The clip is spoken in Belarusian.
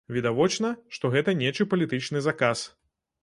Відавочна, што гэта нечы палітычны заказ.